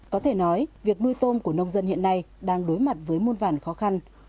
có thể nói việc nuôi tôm của nông dân hiện nay đang đối mặt với môn vàn khó khăn